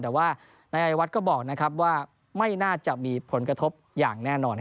แต่ว่านายวัดก็บอกว่าไม่น่าจะมีผลกระทบอย่างแน่นอน